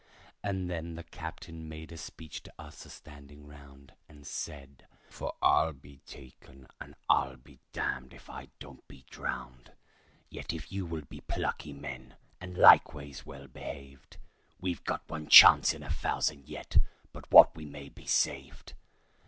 And then the captain made a speech to us a standing round, And said: "'Fore I'll be taken I'll be damned if I don't be drowned; Yet if you will be plucky, men, and likewise well behaved, We've got one chance in a thousand yet, but what we may be saved.